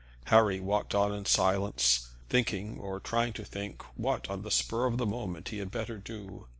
Harry walked on in silence, thinking, or trying to think, what, on the spur of the moment, he had better do.